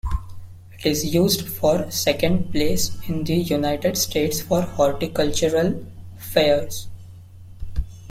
It is used for second place in the United States for horticultural fairs.